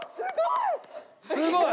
すごい！